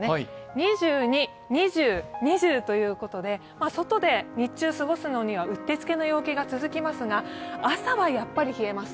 ２２、２０、２０ということで、外で日中過ごすのにはうってつけの陽気が続きますが、朝はやっぱり冷えます。